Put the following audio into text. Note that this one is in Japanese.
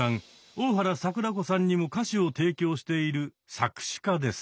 大原櫻子さんにも歌詞を提供している作詞家です。